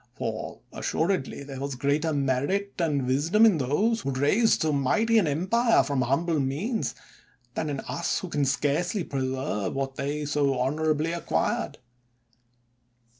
For assuredly there was greater merit and wisdom in those, who raised so mighty an empire from humble means, than in us, who can scarcely preserve what they so honorably ac quired.